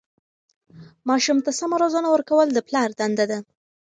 ماسوم ته سمه روزنه ورکول د پلار دنده ده.